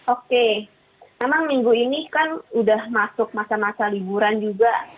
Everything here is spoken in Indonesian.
oke memang minggu ini kan udah masuk masa masa liburan juga